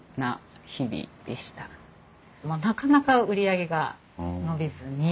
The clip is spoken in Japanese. なかなか売り上げが伸びずに。